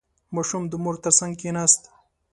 • ماشوم د مور تر څنګ کښېناست.